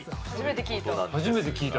初めて聞いた。